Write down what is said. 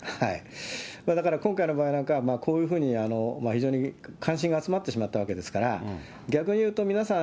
だから今回の場合なんかは、こういうふうに非常に関心が集まってしまったわけですから、逆に言うと皆さん